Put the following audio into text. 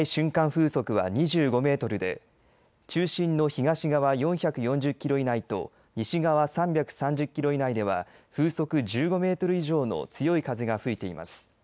風速は２５メートルで中心の東側４４０キロ以内と西側３３０キロ以内では風速１５メートル以上の強い風が吹いています。